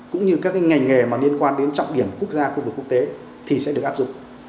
cũng như các ngành nghề liên quan đến trọng điểm quốc gia quốc tế thì sẽ được áp dụng